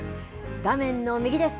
画面の右です。